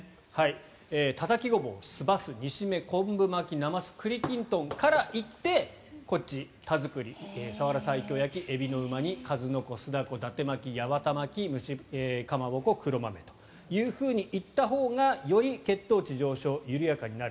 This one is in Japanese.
たたきゴボウ、酢ばす、煮しめ昆布巻き、なます栗きんとんから行ってこっち、田作り、サワラ西京焼きエビのうま煮、数の子酢ダコ、だて巻き八幡巻き、かまぼこ黒豆と行ったほうがより血糖値上昇、緩やかになる。